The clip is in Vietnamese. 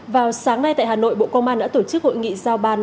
vào sáng nay tại hà nội bộ công an đã tổ chức hội nghị giao ban